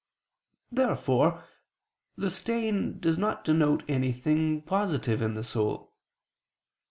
Therefore the stain does not denote anything positive in the soul.